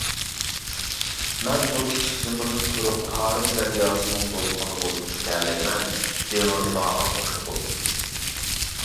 مەن بۇ كىچىك زېمىندا تۇرۇپ تارىم دەرياسىنىڭ دولقۇنى بولۇپ كېتەلەيمەن دېڭىزلارغا قوشۇلۇپ.